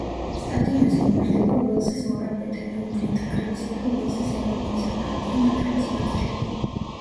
სტადიონზე იმართება უელსის მორაგბეთა ეროვნული ნაკრებისა და უელსის ეროვნული საფეხბურთო ნაკრების მატჩები.